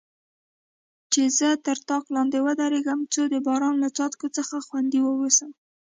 چې زه تر طاق لاندې ودریږم، څو د باران له څاڅکو څخه خوندي واوسم.